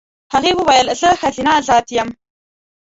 هغې وویل زه ښځینه ذات یم.